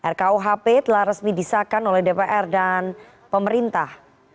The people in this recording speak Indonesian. rkuhp telah resmi disahkan oleh dpr dan pemerintah